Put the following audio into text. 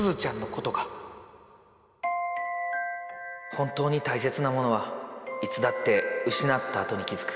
本当に大切なものはいつだって失ったあとに気付く。